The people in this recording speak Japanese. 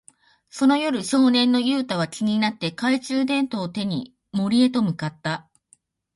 その夜、少年のユウタは気になって、懐中電灯を手に森へと向かった。